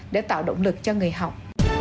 để tạo động lực cho người học